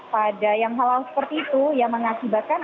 pada yang hal hal seperti itu yang mengakibatkan